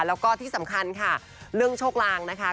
แล้วก็ที่สำคัญค่ะเรื่องโชคลางนะคะ